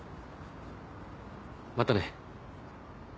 またね。